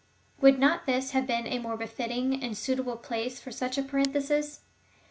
Would not this have been a more befitting and suitable place for such a parenthesis ?